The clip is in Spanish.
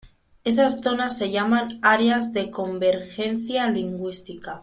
Esas zonas se llaman áreas de convergencia lingüística.